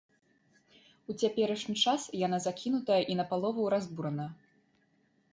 У цяперашні час яна закінутая і напалову разбурана.